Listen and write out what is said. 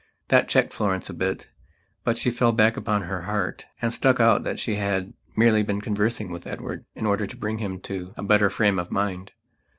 That checked Florence a bit; but she fell back upon her "heart" and stuck out that she had merely been conversing with Edward in order to bring him to a better frame of mind.